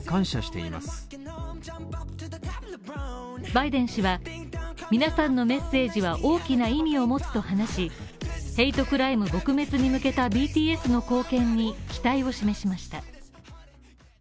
バイデン氏は皆さんのメッセージは大きな意味を持つと話しヘイトクライム撲滅に向けたＢＴＳの貢献に期待を示しました。